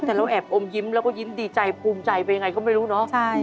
แต่เราแอบอมยิ้มแล้วก็ยิ้มดีใจภูมิใจไปยังไงก็ไม่รู้เนอะ